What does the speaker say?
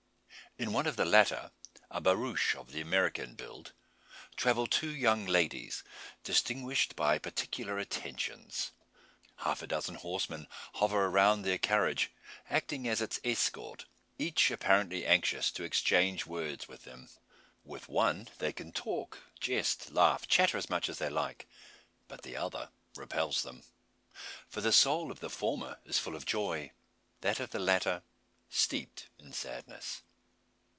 In one of the latter a barouche of the American build travel two young ladies, distinguished by particular attentions. Half a dozen horsemen hover around their carriage, acting as its escort, each apparently anxious to exchange words with them. With one they can talk, jest, laugh, chatter as much as they like; but the other repels them. For the soul of the former is full of joy; that of the latter steeped in sadness.